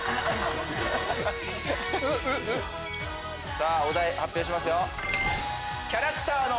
さぁお題発表しますよ。